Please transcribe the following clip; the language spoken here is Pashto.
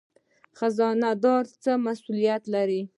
خزانه دار څه مسوولیت لري؟